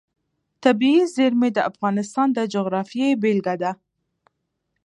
طبیعي زیرمې د افغانستان د جغرافیې بېلګه ده.